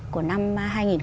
của năm hai nghìn hai mươi ba